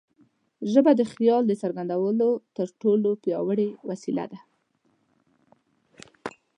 ژبه د خیال د څرګندولو تر ټولو پیاوړې وسیله ده.